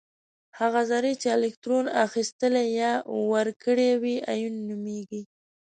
هغه ذرې چې الکترون اخیستلی یا ورکړی وي ایون نومیږي.